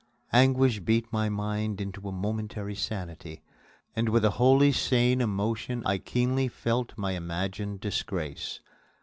Anguish beat my mind into a momentary sanity, and with a wholly sane emotion I keenly felt my imagined disgrace.